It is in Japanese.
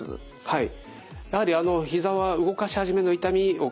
はい。